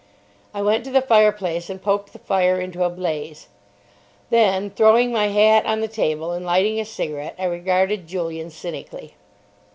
I went to the fireplace and poked the fire into a blaze. Then, throwing my hat on the table and lighting a cigarette, I regarded Julian cynically.